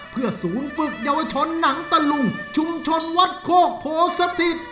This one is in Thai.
เพื่อศูนย์ฝึกเยาวชนหนังตะลุงชุมชนวัดโคกโพสถิต